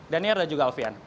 dhaniar dan juga alfian